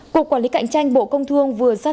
cuộc quản lý cạnh tranh bộ công thương vừa ra thông